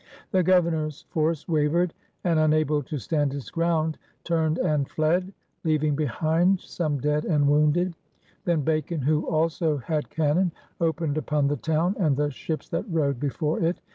The Governor's force wavered and, un able to stand its ground, turned and fled, leaving behind some dead and wounded. Then Bacon, who also had cannon, opened upon the town and the ships that rode before it.